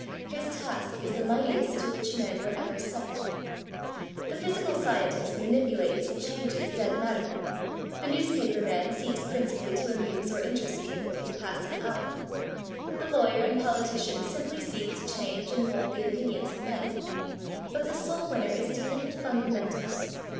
His task is the mightiest to which men were ever set. The physical scientist manipulates and changes dead matter, the newspaper man seeks principally to amuse or interest people for the passing hour; the lawyer and poli tician simply seek to change and mould the opinions of men; but the soul winner is dealing with fundamentals.